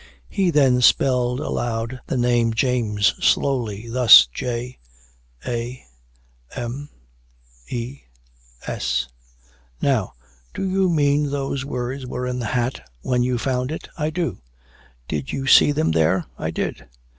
He then spelled aloud the name James slowly, thus: "J a m e s." "Now, do you mean those words were in the hat when you found it?" "I do." "Did you see them there." "I did."